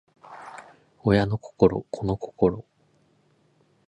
親の心子の心